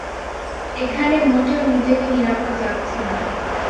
এখানে মোটেও নিজেকে নিরাপদ লাগছে না!